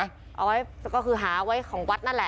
เอาไว้ก็คือหาไว้ของวัดนั่นแหละ